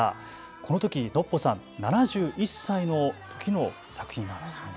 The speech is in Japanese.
このときノッポさん７１歳のときの作品なんですよね。